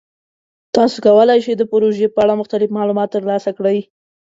تاسو کولی شئ د پروژې په اړه مختلف معلومات ترلاسه کړئ.